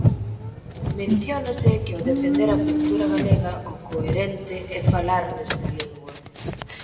Menciónase que ao defender a cultura galega o coherente é falar nesta lingua.